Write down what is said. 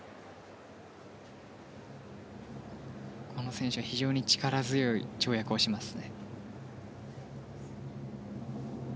この選手は非常に力強い跳躍をします。